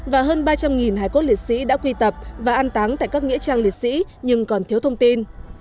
và hơn ba trăm linh hải cốt liệt sĩ đã quy tập và an táng tại các nghĩa trang liệt sĩ nhưng còn thiếu thông tin